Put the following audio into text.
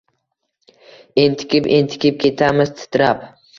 Entikib-entikib ketamiz titrab